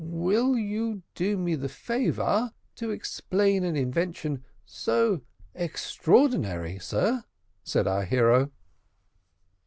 "Will you do me the favour to explain an invention so extraordinary, sir," said our hero.